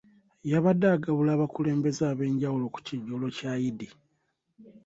Yabadde agabula abakulembeze ab'enjawulo ku kijjulo kya Eid